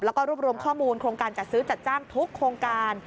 แล้วก็รวบรวมข้อมูลโครงการจัดซื้อจัดจ้างทุกโครงการ